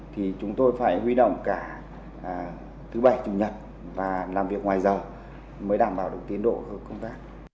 thì chúng tôi phải huy động cả thứ bảy chủ nhật và làm việc ngoài giờ mới đảm bảo được tiến độ công tác